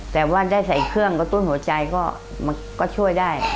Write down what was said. แต่ว่าได้ใส่เครื่องกระตุ้นหัวใจก็ช่วยได้